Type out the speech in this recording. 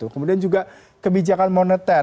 kemudian juga kebijakan moneter